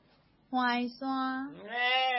橫山